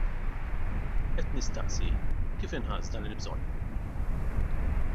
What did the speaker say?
Qed nistaqsi, kif inħass dan il-bżonn?